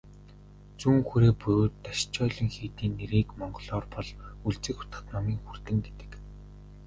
Зүүн хүрээ буюу "Дашчойлин" хийдийн нэрийг монголоор бол "Өлзий хутагт номын хүрдэн" гэдэг.